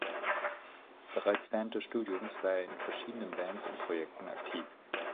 Bereits während des Studiums war er in verschiedenen Bands und Projekten aktiv.